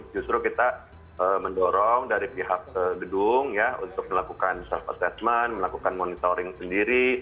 justru kita mendorong dari pihak gedung ya untuk melakukan self assessment melakukan monitoring sendiri